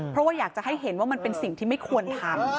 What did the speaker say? เพราะว่าอยากจะให้เห็นว่ามันเป็นสิ่งที่ไม่ควรทำ